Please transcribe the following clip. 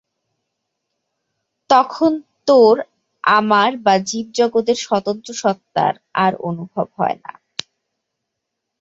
তখন তোর, আমার বা জীব-জগতের স্বতন্ত্র সত্তার আর অনুভব হয় না।